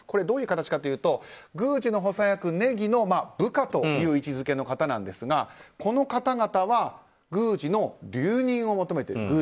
どういう形かというと宮司の補佐役禰宜の部下という位置づけなんですが、この方々は宮司の留任を求めている。